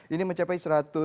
ini mencapai seratus